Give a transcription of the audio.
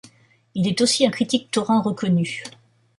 Il est aussi un critique taurin reconnu.